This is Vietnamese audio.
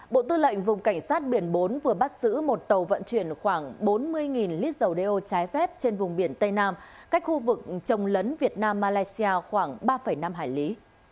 bộ tư lệnh vùng cảnh sát biển bốn vừa bắt giữ một tàu vận chuyển khoảng bốn mươi lít dầu đeo trái phép trên vùng biển tây nam cách khu vực trồng lấn việt nam malaysia khoảng ba năm hải lý